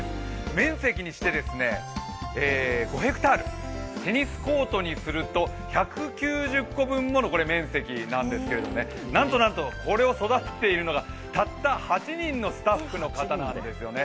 面積にして５ｈａ、テニスコートにすると１９０個分もの面積なんですけどもなんとなんとこれを育てているのがたった８人のスタッフの方なんですね。